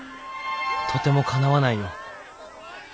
とてもかなわないよ。